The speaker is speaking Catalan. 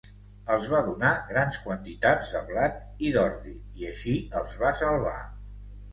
Els va donar grans quantitats de blat i d'ordi i així els va salvar.